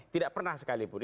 tidak pernah sekalipun